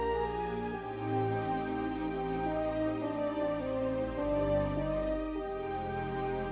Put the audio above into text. bo jangan lupa pintunya dikunci ya